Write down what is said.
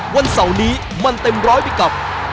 วันเสาร์นี้มันเต็มร้อยไปกับ